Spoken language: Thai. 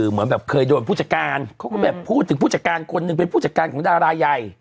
เหมือนแบบเคยโดนผู้จัดการเขาก็แบบพูดถึงผู้จัดการคนหนึ่งเป็นผู้จัดการของดาราใหญ่